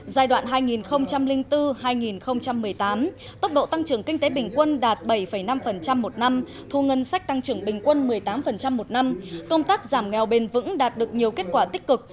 giai đoạn hai nghìn bốn hai nghìn một mươi tám tốc độ tăng trưởng kinh tế bình quân đạt bảy năm một năm thu ngân sách tăng trưởng bình quân một mươi tám một năm công tác giảm nghèo bền vững đạt được nhiều kết quả tích cực